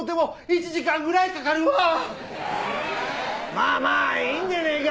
まあまあいいんでねえか？